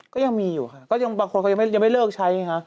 ก็ยังมีอยู่ค่ะก็ยังบางคนเขายังไม่เลิกใช้ไงคะ